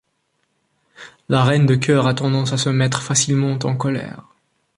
La Reine de cœur a tendance à se mettre facilement en colère.